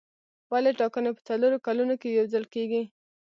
ولې ټاکنې په څلورو کلونو کې یو ځل کېږي.